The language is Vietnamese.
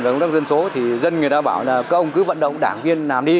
về công tác dân số thì dân người ta bảo là các ông cứ vận động đảng viên làm đi